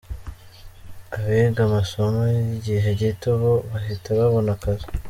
Abiga amasomo y’igihe gito bo bahita babona akazi.